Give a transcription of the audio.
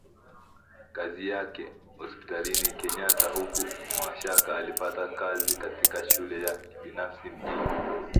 kazi yake hospitalini Kenyatta huku Mashaka alipata kazi katika shule ya kibinafsi mjini